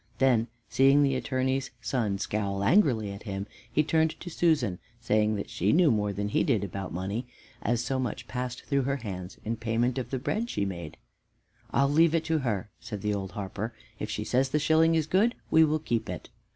Then, seeing the Attorney's son scowl angrily at him, he turned to Susan saying that she knew more than he did about money, as so much passed through her hands in payment of the bread she made. "I'll leave it to her," said the old harper. "If she says the shilling is good, we will keep it."